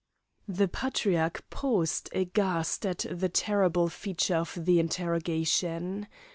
The Patriarch paused aghast at the terrible feature of the interrogation.